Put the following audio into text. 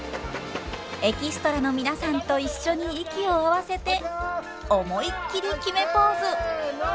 エキストラの皆さんと一緒に息を合わせて思いっきり決めポーズ！